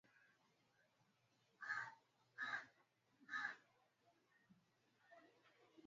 saint petersburg walicheza na young boys wakatii